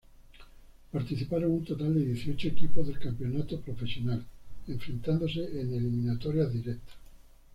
Participaron un total de dieciocho equipos del campeonato profesional enfrentándose en eliminatorias directas.